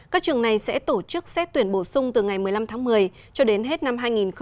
các trường này sẽ tổ chức xét tuyển bổ sung từ ngày một mươi năm tháng một mươi cho đến hết năm hai nghìn hai mươi